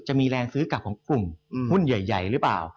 จะมีแรงซื้อกลับของกลุ่มหุ้นใหญ่หรือเปล่า